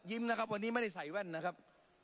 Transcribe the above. นะครับวันนี้ไม่ได้ใส่แว่นนะครับ